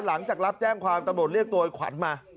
หลังจากรับแจ้งความตำรวจเรียกตัวไอ้ขวัญมา